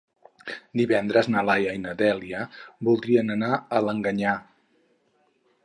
Divendres na Laia i na Dèlia voldrien anar a l'Alguenya.